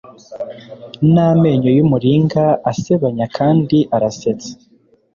N'amenyo yumuringa asebanya kandi arasetsa